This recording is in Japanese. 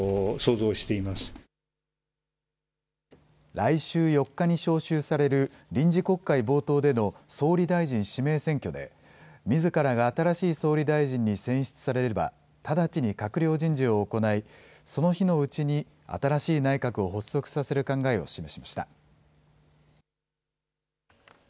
来週４日に召集される臨時国会冒頭での総理大臣指名選挙で、みずからが新しい総理大臣に選出されれば、直ちに閣僚人事を行い、その日のうちに新しい内閣を発足させる考えを示しました。